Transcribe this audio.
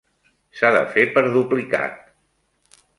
S'ha de fer per duplicat.